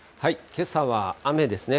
けさは雨ですね。